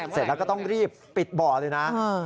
เสร็จแล้วก็ต้องรีบปิดบ่อเลยนะ